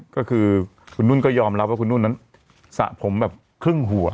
ก็คือคุณนุ่นก็ยอมรับว่าคุณนุ่นนั้นสระผมแบบครึ่งหัว